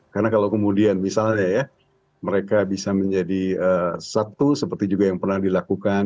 karena kalau kemudian misalnya ya mereka bisa menjadi satu seperti juga yang pernah dilakukan